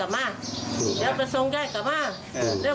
หัวหน้าภักษ์สรรีโรมไทย